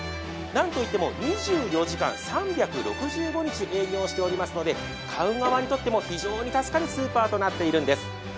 なんといっても２４時間３６５日営業しておりまえので買う側にとっても非常に助かるスーパーとなっているんです。